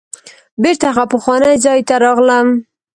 بیرته هغه پخواني ځای ته راغلم.